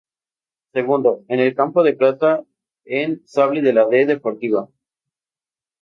Segundo, en campo de plata, en sable la D de Deportiva.